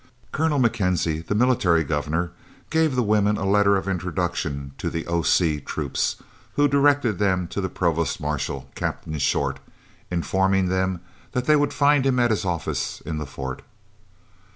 Colonel Mackenzie, the Military Governor, gave the women a letter of introduction to the O.C. troops, who directed them to the Provost Marshal, Captain Short, informing them that they would find him at his office in the Fort.